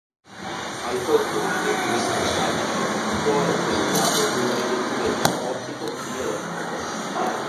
Al posto di rivestimenti metallici, può essere usato un rivestimento ottico dielettrico.